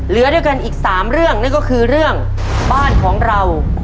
เหลือด้วยกันอีก๓เรื่องนั่นก็คือเรื่องบ้านของเรา